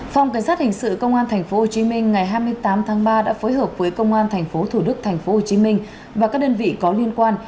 phòng cảnh sát hình sự công an tp hcm ngày hai mươi tám tháng ba đã phối hợp với công an tp thủ đức tp hcm và các đơn vị có liên quan